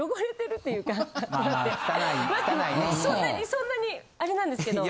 そんなにあれなんですけど。